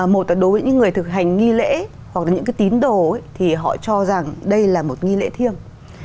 một là đối với những người thực hành nghi lễ hoặc là những cái tín đồ thì họ cho rằng đây là một nghi lễ thiêng